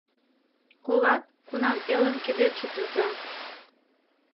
Колат, кунам элым кидетше тӱза.